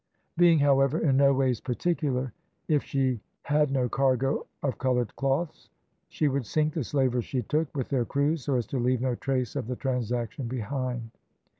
Being, however, in no ways particular, if she had no cargo of coloured cloths, she would sink the slavers she took, with their crews, so as to leave no trace of the transaction behind.